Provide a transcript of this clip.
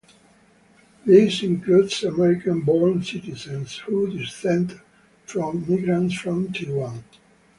This includes American-born citizens who descend from migrants from Taiwan.